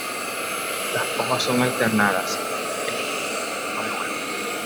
Las hojas son alternadas, elípticas o en forma de huevo.